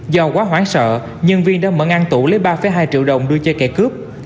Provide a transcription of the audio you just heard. do quá hoãn sợ nhân viên đã mở ngăn tủ lấy ba hai triệu đồng đưa cho kẻ cướp